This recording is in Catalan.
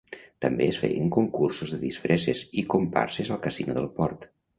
També es feien concursos de disfresses i comparses al casino del port.